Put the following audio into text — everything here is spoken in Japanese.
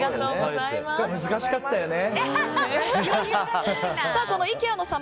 難しかったよね。